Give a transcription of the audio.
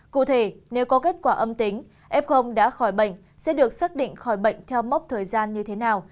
cụ thể nếu có kết quả âm tính f đã khỏi bệnh sẽ được xác định khỏi bệnh theo mốc thời gian như thế nào